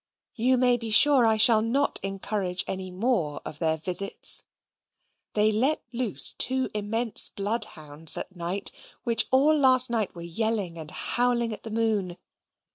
You may be sure I shall not encourage any more of their visits. They let loose two immense bloodhounds at night, which all last night were yelling and howling at the moon.